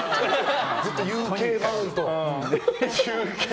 ずっとＵＫマウント！